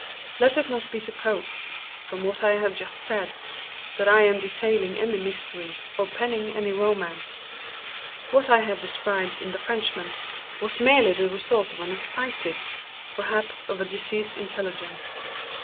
Let it not be supposed, from what I have just said, that I am detailing any mystery, or penning any romance. What I have described in the Frenchman, was merely the result of an excited, or perhaps of a diseased intelligence.